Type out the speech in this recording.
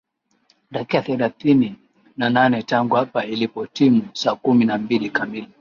dakika thelathini na nane tangu hapa ilipotimu saa kumi na mbili kamili